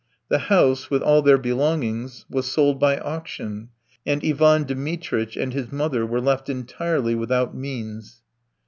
The house, with all their belongings, was sold by auction, and Ivan Dmitritch and his mother were left entirely without means.